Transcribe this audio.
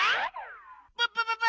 プップププ！